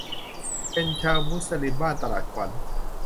เป็นชาวมุลิมบ้านตลาดขวัญ